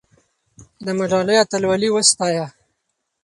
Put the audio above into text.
د ملالۍ اتلولي وستایه.